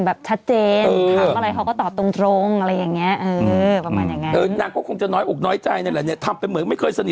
ครับเขาเขาไม่เขาง่อง่อนอะไรกันล่ะก็ไม่รู้แต่